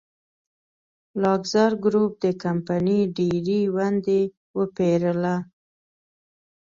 لاکزر ګروپ د کمپنۍ ډېرې ونډې وپېرله.